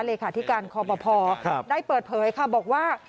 เลขาธิการคอปภได้เปิดเผยค่ะบอกว่า